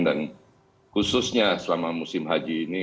dan khususnya selama musim haji ini